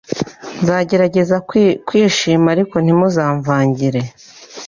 Nzagerageza kwishima ariko ntimumvangire